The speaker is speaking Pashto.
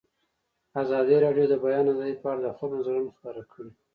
ازادي راډیو د د بیان آزادي په اړه د خلکو نظرونه خپاره کړي.